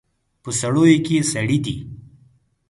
په سړیو کې سړي دي